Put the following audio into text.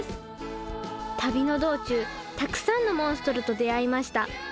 旅の道中たくさんのモンストロと出会いました。